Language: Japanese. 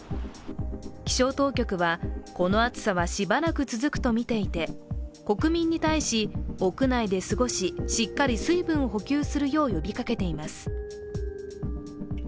気象当局はこの暑さはしばらく続くとみていて国民に対し、屋内で過ごししっかり水分補給するよう呼びかけています。